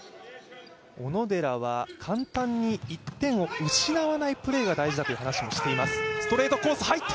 小野寺は簡単に１点を失わないプレーが大事だという話をしています。